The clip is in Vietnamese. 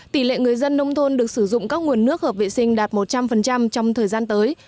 tỷ lệ người dân nông thôn được sử dụng các nguồn nước hợp vệ sinh đạt một trăm linh trong thời gian tới